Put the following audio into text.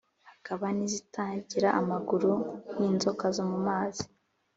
hakaba n’izitagira amaguru (nk’inzoka zo mu mazi).